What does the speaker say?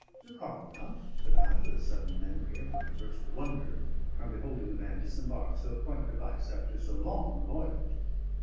"To Cockermouth?" said I, with a sudden memory of my first wonder on beholding the man disembark so point de vice after so long a voyage.